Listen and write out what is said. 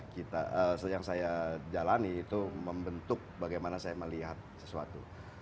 kita yang saya jalani itu membentuk bagaimana saya melihat sesuatu